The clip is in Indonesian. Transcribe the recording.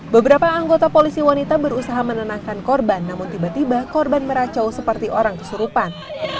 beberapa anggota polisi wanita berusaha menenangkan korban namun tiba tiba korban meracau seperti orang kesurupan